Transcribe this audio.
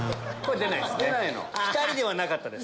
ピタリではなかったです。